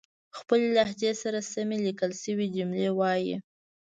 خپلې لهجې سره سمې ليکل شوې جملې وايئ